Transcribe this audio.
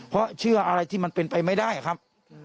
เพราะเชื่ออะไรที่มันเป็นไปไม่ได้ครับ